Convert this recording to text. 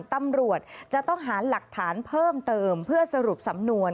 ตำรวจจะต้องหาหลักฐานเพิ่มเติมเพื่อสรุปสำนวน